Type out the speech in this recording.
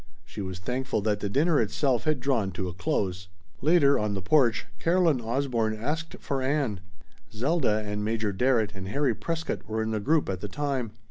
She was thankful that the dinner itself had drawn to a close. Later, on the porch, Caroline Osborne asked for Ann. Zelda and Major Darrett and Harry Prescott were in the group at the time.